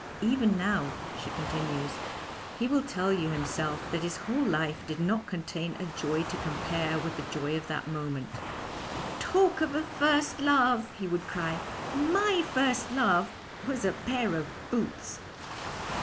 Even now,' she continues, 'he will tell you himself that his whole life did not contain a joy to compare with the joy of that moment. "Talk of a first love!" he would cry; "my first love was a pair of boots."'